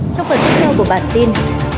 trong phần tiếp theo của bản tin